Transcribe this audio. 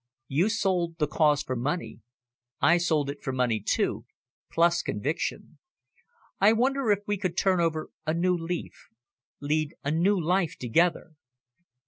You sold the Cause for money. I sold it for money, too, plus conviction. I wonder if we could turn over a new leaf, lead a new life together?"